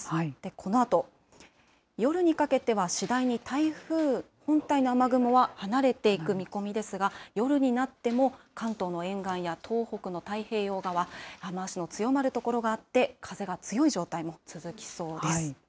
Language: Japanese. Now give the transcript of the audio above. このあと、夜にかけては次第に台風本体の雨雲は離れていく見込みですが、夜になっても関東の沿岸や東北の太平洋側、雨足の強まる所があって、風が強い状態も続きそうです。